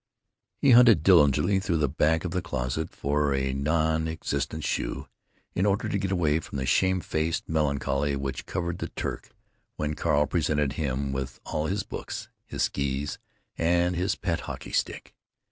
He hunted diligently through the back of the closet for a non existent shoe, in order to get away from the shamefaced melancholy which covered the Turk when Carl presented him with all his books, his skees, and his pet hockey stick.